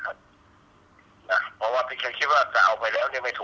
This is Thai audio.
คุณพ่อได้จดหมายมาที่บ้าน